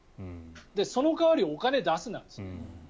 その代わりお金を出すなんです。